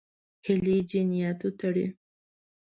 هیلې جنیاتو تړي.